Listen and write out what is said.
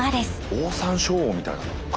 オオサンショウウオみたいな形。